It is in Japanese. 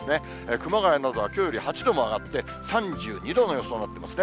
熊谷などはきょうより８度も上がって３２度の予想になってますね。